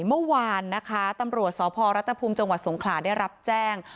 เมื่อวานนะคะตำรวจสพรัฐภูมิจังหวัดสงขลาได้รับแจ้ง